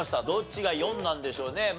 どっちが４なんでしょうね。